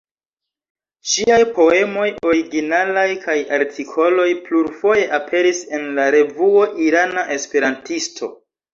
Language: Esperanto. Ŝiaj poemoj originalaj kaj artikoloj plurfoje aperis en la revuo "Irana Esperantisto".